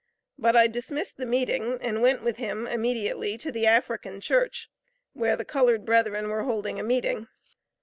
But I dismissed the meeting, and went with him immediately to the African Church, where the colored brethren were holding a meeting.